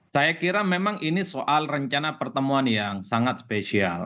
saya kira memang ini soal rencana pertemuan yang sangat spesial